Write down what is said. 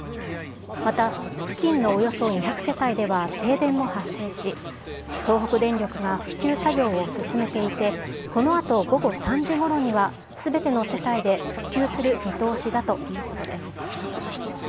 また、付近のおよそ２００世帯では停電も発生し、東北電力が復旧作業を進めていて、このあと午後３時ごろには、すべての世帯で復旧する見通しだということです。